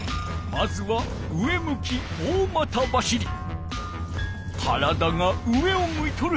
まずは体が上を向いとる。